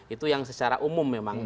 itu yang secara umum memang